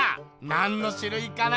なんのしゅるいかな？